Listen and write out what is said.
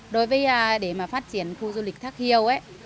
đối với để phát triển khu du lịch thác hiêu